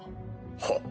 はっ！